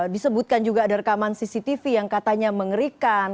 disebutkan juga ada rekaman cctv yang katanya mengerikan